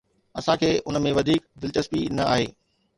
اسان کي ان ۾ وڌيڪ دلچسپي نه آهي.